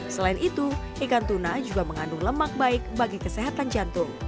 selain itu ikan tuna juga mengandung lemak baik bagi kesehatan jantung